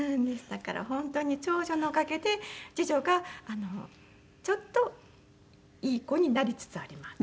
だから本当に長女のおかげで次女がちょっといい子になりつつあります。